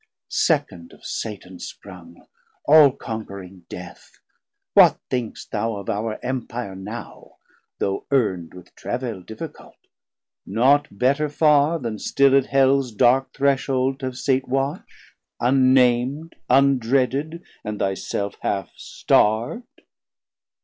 590 Second of Satan sprung, all conquering Death, What thinkst thou of our Empire now, though earnd With travail difficult, not better farr Then stil at Hels dark threshold to have sate watch, Unnam'd, undreaded, and thy self half starv'd?